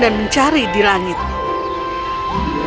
dia mencari siapa yang memainkan seruling yang indah ini